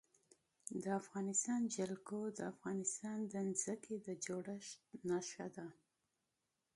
د افغانستان جلکو د افغانستان د ځمکې د جوړښت نښه ده.